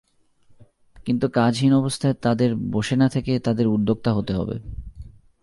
কিন্তু কাজহীন অবস্থায় তাঁদের বসে না থেকে তাঁদের উদ্যোক্তা হতে হবে।